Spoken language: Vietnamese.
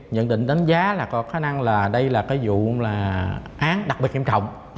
nhận định đánh giá là có khả năng là đây là cái vụ là án đặc biệt nghiêm trọng